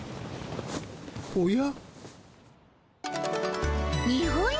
おや？